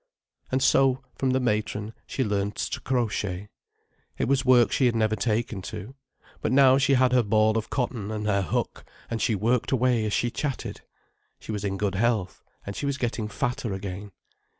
And so, from the matron, she learned to crochet. It was work she had never taken to. But now she had her ball of cotton and her hook, and she worked away as she chatted. She was in good health, and she was getting fatter again.